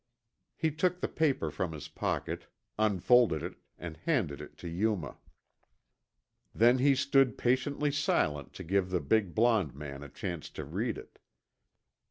He took the paper from his pocket, unfolded it, and handed it to Yuma. Then he stood patiently silent to give the big blond man a chance to read it.